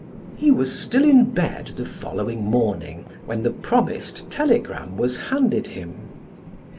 He was still in bed the following morning when the promised telegram was handed him.